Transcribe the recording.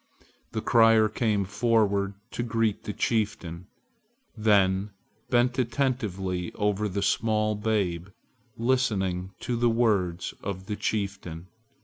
The crier came forward to greet the chieftain, then bent attentively over the small babe, listening to the words of the chieftain.